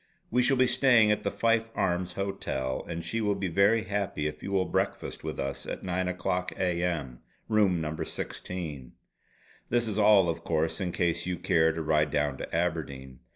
We shall be staying at the Fife Arms Hotel, and she will be very happy if you will breakfast with us at nine o'clock A. M. Room No. 16. This is all of course in case you care to ride down to Aberdeen.